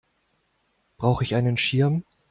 Brauche ich einen Schirm?